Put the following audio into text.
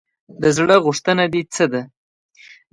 د زړه غوښتنه دې څه ده ؟